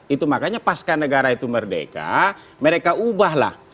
itu makanya pas kan negara itu merdeka mereka ubahlah